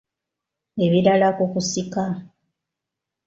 Ebirala ku kusika.